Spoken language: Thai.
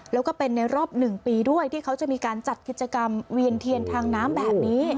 แล้วก็เป็นในรอบ๑ปีด้วยที่เขาจะมีการจัดกิจกรรมเวียนเทียนทางน้ำแบบนี้